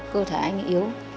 cơ thể anh yếu